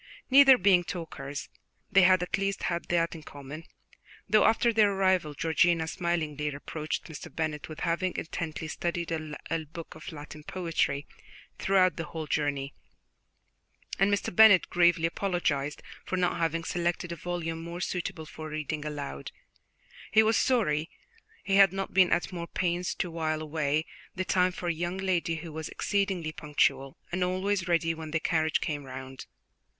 Neither being talkers, they had at least had that in common, though after their arrival Georgiana smilingly reproached Mr. Bennet with having intently studied a book of Latin poetry throughout the whole journey, and Mr. Bennet gravely apologized for not having selected a volume more suitable for reading aloud; he was sorry he had not been at more pains to while away the time for a young lady who was exceedingly punctual, and always ready when the carriage came round.